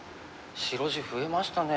白地増えましたね。